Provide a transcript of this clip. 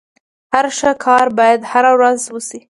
هر ښه کار بايد هره ورځ وسي.